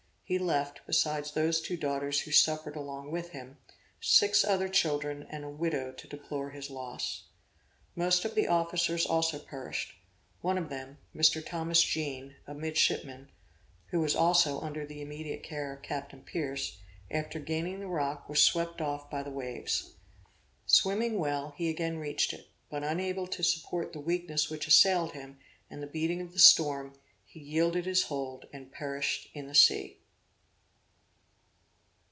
(He left, besides those two daughters who suffered along with him, six other children and a widow to deplore his loss.) Most of the officers also perished; one of them, Mr. Thomas Jeane, a midshipman, who was under the immediate care of Captain Pierce, after gaining the rock was swept off by the waves. Swimming well he again reached it; but unable to support the weakness which assailed him, and the beating of the storm, he yielded his hold and perished in the sea.